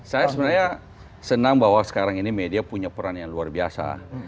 saya sebenarnya senang bahwa sekarang ini media punya peran yang luar biasa